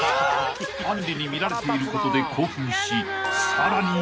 ［あんりに見られていることで興奮しさらに］